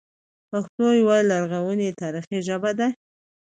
پښتو یوه لرغونې تاریخي ژبه ده